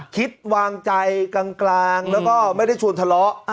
คิดวางใจกลางแล้วก็ไม่ได้ชวนทะเลาะ